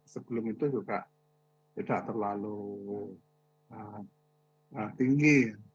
sebelum itu juga tidak terlalu tinggi